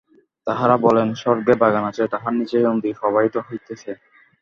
তাঁহারা বলেন, স্বর্গে বাগান আছে, তাহার নিচে নদী প্রবাহিত হইতেছে।